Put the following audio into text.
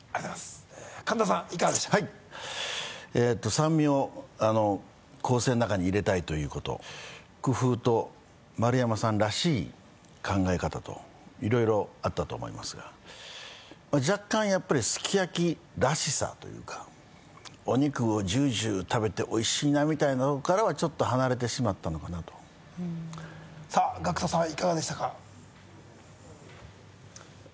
酸味を構成の中に入れたいということ工夫と丸山さんらしい考え方といろいろあったと思いますが若干やっぱりすき焼きらしさというかお肉をジュージュー食べておいしいなみたいなのからはちょっと離れてしまったのかなとさあＧＡＣＫＴさんはいかがでしたか？